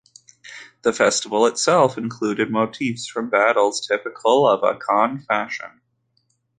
The festival itself included motifs from battles typical of Akan fashion.